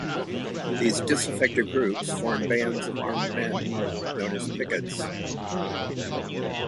These disaffected groups formed bands of armed men known as "piquets".